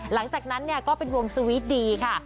หลังจากนั้นก็เป็นวงสวีทดีค่ะ